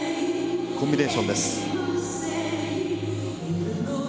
コンビネーションです。